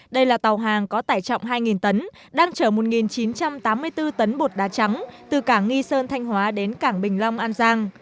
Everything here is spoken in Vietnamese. đây là tàu hàng có tải trọng hai tấn đang chở một chín trăm tám mươi bốn tấn bột đá trắng từ cảng nghi sơn thanh hóa đến cảng bình long an giang